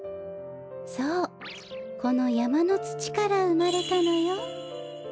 そうこのやまのつちからうまれたのよ。